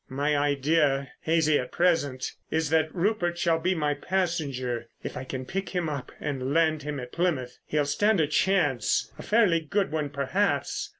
My idea, hazy at present, is that Rupert shall be my passenger. If I can pick him up and land him at Plymouth he'll stand a chance, a fairly good one, perhaps.